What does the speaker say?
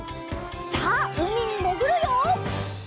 さあうみにもぐるよ！